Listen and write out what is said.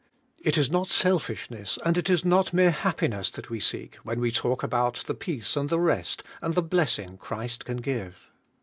It is not selfishness and it is not mere happiness that we seek when we talk about the peace and the rest and the blessing Christ can give.